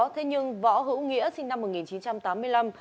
thế nhưng võ hữu nghĩa sinh năm một nghìn chín trăm một mươi sáu